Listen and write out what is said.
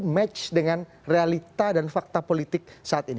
match dengan realita dan fakta politik saat ini